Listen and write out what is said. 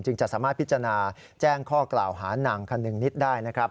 จะสามารถพิจารณาแจ้งข้อกล่าวหานางคนนึงนิดได้นะครับ